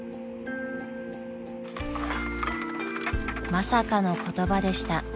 ［まさかの言葉でした］